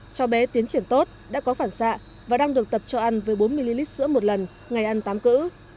cho bé tiến triển tốt đã có phản xạ và đang được tập cho ăn với bốn ml sữa một lần ngày ăn tám cữ